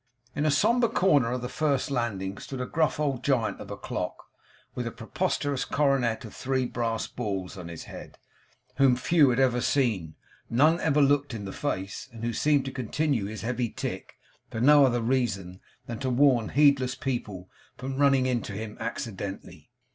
In a sombre corner on the first landing, stood a gruff old giant of a clock, with a preposterous coronet of three brass balls on his head; whom few had ever seen none ever looked in the face and who seemed to continue his heavy tick for no other reason than to warn heedless people from running into him accidentally.